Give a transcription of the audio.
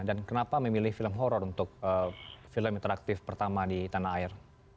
dan kenapa memilih film horror untuk film interaktif pertama di tanah air